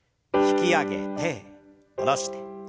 引き上げて下ろして。